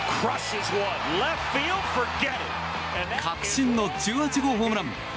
確信の１８号ホームラン！